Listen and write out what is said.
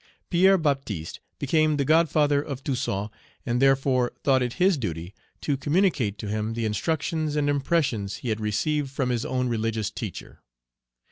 Pierre Baptiste became the godfather of Toussaint, and therefore thought it his duty to communicate to him the instructions and impressions he had received from his own religious teacher.